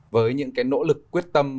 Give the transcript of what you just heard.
với những cái nỗ lực quyết tâm